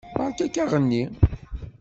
Beṛka-k aɣenni.